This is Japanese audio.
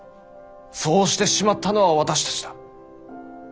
そうしてしまったのは私たちだ。